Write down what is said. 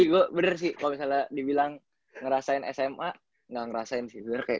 gue bener sih kalau misalnya dibilang ngerasain sma gak ngerasain sih